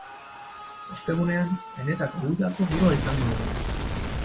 Ostegunean, benetako udako giroa izango dugu.